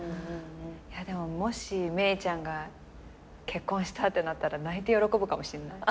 でももし芽郁ちゃんが結婚したってなったら泣いて喜ぶかもしんない。